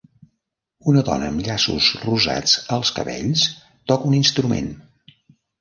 Una dona amb llaços rosats als cabells toca un instrument.